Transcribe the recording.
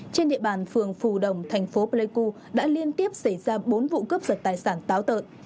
trên địa bàn phường phù đồng thành phố pleiku đã liên tiếp xảy ra bốn vụ cướp giật tài sản táo tợn